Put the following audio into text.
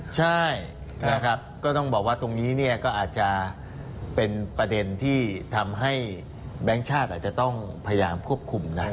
ใช่นะครับก็ต้องบอกว่าตรงนี้เนี่ยก็อาจจะเป็นประเด็นที่ทำให้แบงค์ชาติอาจจะต้องพยายามควบคุมนะ